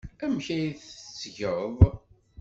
Amek ay t-tettgeḍ?